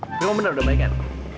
ini kok bener udah baik kan